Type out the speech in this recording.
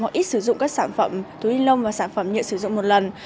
hoặc ít sử dụng các sản phẩm túi ni lông và sản phẩm nhựa sử dụng một lần